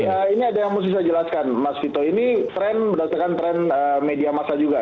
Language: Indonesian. ya ini ada yang mesti saya jelaskan mas vito ini tren berdasarkan tren media masa juga